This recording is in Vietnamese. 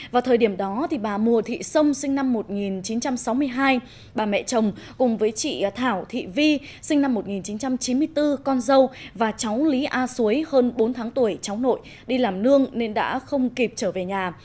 vào thời điểm đó bà mùa thị sông sinh năm một nghìn chín trăm sáu mươi hai bà mẹ chồng cùng với chị thảo thị vi sinh năm một nghìn chín trăm chín mươi bốn con dâu và cháu lý a xuối hơn bốn tháng tuổi cháu nội đi làm nương nên đã không kịp trở về nhà